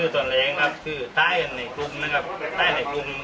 ส่วนแรงครับคือท่ายกันในกลุ่มนะครับท่ายในกลุ่ม